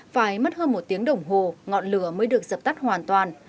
phải mất hơn một tiếng đồng hồ ngọn lửa mới được dập tắt hoàn toàn